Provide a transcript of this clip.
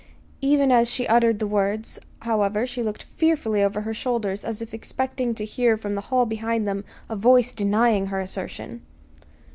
Even as she uttered the words, however, she looked fearfully over her shoulders as if expecting to hear from the hall behind them a voice denying her assertion.